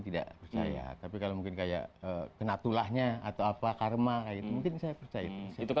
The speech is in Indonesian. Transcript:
tidak percaya tapi kalau mungkin kayak kena tulahnya atau apa karma itu mungkin saya percaya